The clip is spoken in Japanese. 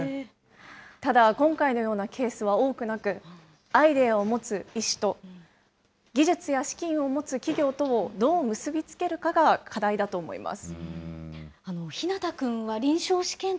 ただ、今回のようなケースは多くなく、アイデアを持つ医師と、技術や資金を持つ企業とをどう結び付けるかが課題だと思います。